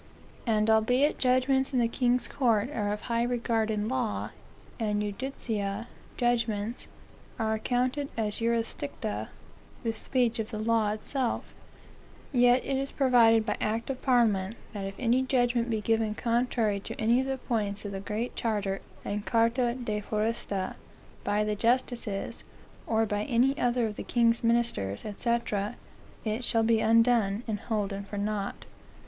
"And albeit judgments in the king's courts are of high regard in law, and judicia (judgments) are accounted as jurisdicta, (the speech of the law itself,) yet it is provided by act of parliament, that if any judgment be given contrary to any of the points of the Great Charter and Charta de Foresta, by the justices, or by any other of the king's ministers, &c., it shall be undone, and holden for naught.